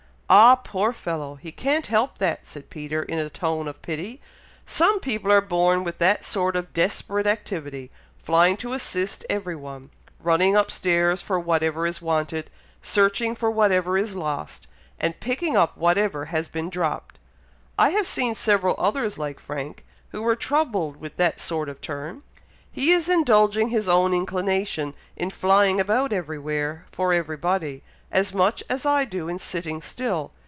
"Ah, poor fellow! he can't help that," said Peter, in a tone of pity. "Some people are born with that sort of desperate activity flying to assist every one running up stairs for whatever is wanted searching for whatever is lost and picking up whatever has been dropped. I have seen several others like Frank, who were troubled with that sort of turn. He is indulging his own inclination in flying about everywhere for everybody, as much as I do in sitting still!